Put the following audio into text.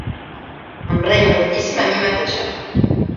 Em renyo moltíssim a mi mateixa.